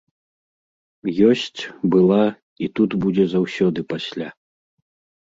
Ёсць, была, і тут будзе заўсёды пасля!